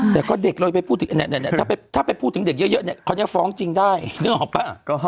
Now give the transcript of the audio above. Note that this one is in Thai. แต่ก็เด็กเราไปพูดถึงถ้าไปพูดถึงเด็กเยอะเนี่ยเขาจะฟ้องจริงได้นึกออกป่ะ